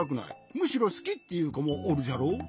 むしろすき！」っていうこもおるじゃろ？